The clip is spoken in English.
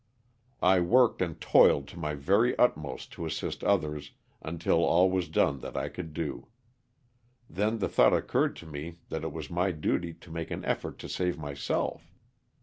I worked and toiled to my very utmost to assist others, until all was done that I could do. Then the thought occurred to me that it was my duty to make an effort to save myself.